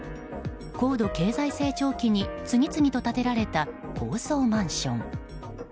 高度経済成長期に次々と建てられた高層マンション。